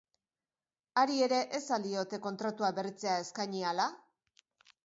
Hari ere ez al diote kontratua berritzea eskaini ala?